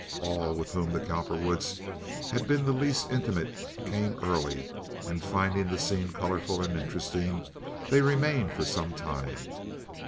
All with whom the Cowperwoods had been the least intimate came early, and, finding the scene colorful and interesting, they remained for some time.